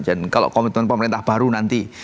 dan kalau komitmen pemerintah baru nanti